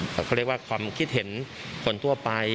แต่เขาเรียกว่าความคิดเห็นคนทั่วไป